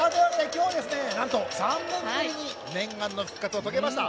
今日はなんと３年ぶりに念願の復活を遂げました。